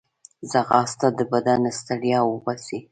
ځغاسته د بدن ستړیا وباسي